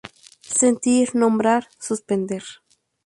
Sentir, nombrar, suspender.